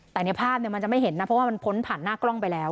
แต่ในภาพมันจะไม่เห็นนะเพราะว่ามันพ้นผ่านหน้ากล้องไปแล้ว